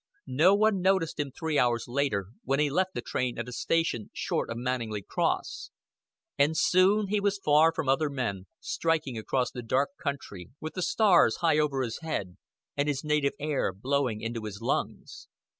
No one noticed him three hours later when he left the train at a station short of Manninglea Cross; and soon he was far from other men, striking across the dark country, with the stars high over his head, and his native air blowing into his lungs.